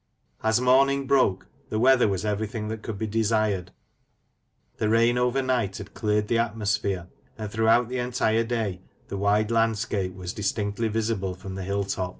As morning broke, the weather was everything that could be desired ; the rain overnight had cleared the atmosphere, and throughout the entire day the wide landscape was distinctly visible from the hill tops.